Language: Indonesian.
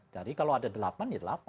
jadi kalau ada delapan ya delapan